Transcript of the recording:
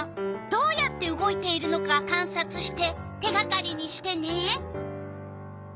どうやって動いているのかかんさつして手がかりにしてね！